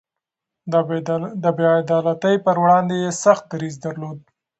د بې عدالتۍ پر وړاندې يې سخت دريځ درلود.